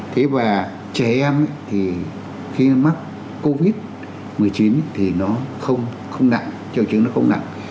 thế và trẻ em thì khi mắc covid một mươi chín thì nó không nặng triệu chứng nó không nặng